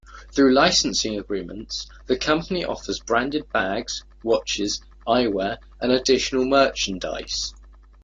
Through licensing agreements, the company offers branded bags, watches, eyewear and additional merchandise.